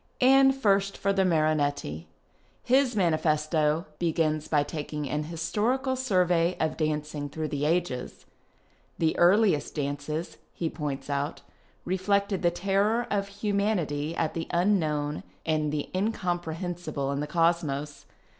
And first for the Marinetti. His manifesto begins by taking an historical survey of dancing through the ages. The earliest dances, he points out, reflected the terror of humanity at the unknown and the incomprehensible in the Cosmos.